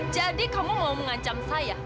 jadi kamu mau mengancam saya